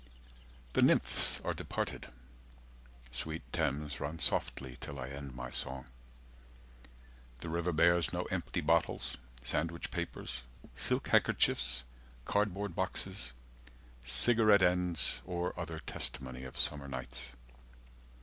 The nymphs are departed. Sweet Thames, run softly, till I end my song. The river bears no empty bottles, sandwich papers, Silk handkerchiefs, cardboard boxes, cigarette ends Or other testimony of summer nights.